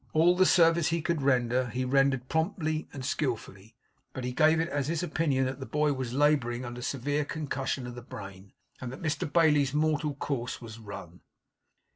All the service he could render, he rendered promptly and skillfully. But he gave it as his opinion that the boy was labouring under a severe concussion of the brain, and that Mr Bailey's mortal course was run.